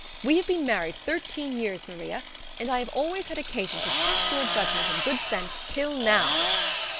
We have been married thirteen years, Maria, and I have always had occasion to trust your judgment and good sense till now."